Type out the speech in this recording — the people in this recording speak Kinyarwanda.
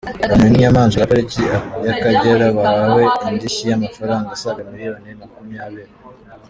Abonewe n’inyamaswa za Pariki y’Akagera bahawe indishyi y’amafaranga asaga miliyoni makumyabiri